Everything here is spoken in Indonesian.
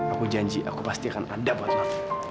aku janji aku pasti akan ada buat aku